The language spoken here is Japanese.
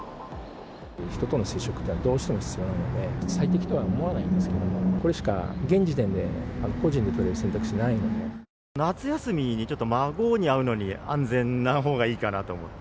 人との接触というのがどうしても必要なので、最適とは思わないですけど、これしか現時点で、夏休みにちょっと孫に会うのに、安全なほうがいいかなと思って。